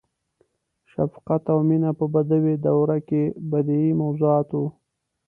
• شفقت او مینه په بدوي دوره کې بدیعي موضوعات وو.